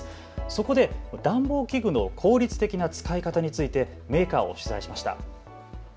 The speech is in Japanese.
そこで暖房器具の効率的な使い方についてメーカーを取材しました。